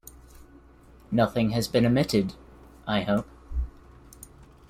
Nothing has been omitted, I hope?